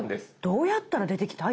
どうやったら出てきた？